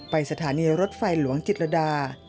ไปสถานีฤดฝ่ายหลวงจิตรดา